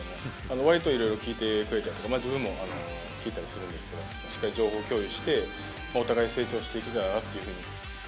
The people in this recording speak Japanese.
わりといろいろ聞いてくれたり、自分も聞いたりするんですけど、しっかり情報共有して、お互い成長していけたらなっていうふうに。